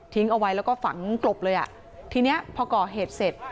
ทิ้งเอาไว้แล้วก็ฝังกลบเลยทีนี้พอก่อเหตุเสร็จ